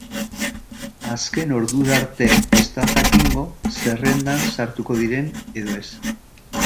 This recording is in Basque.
Azken ordura arte ez da jakingo zerrendan sartuko diren edo ez.